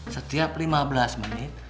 setiap lima belas menit